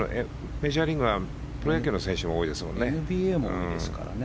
メジャーリーグはプロ野球選手も多いですからね。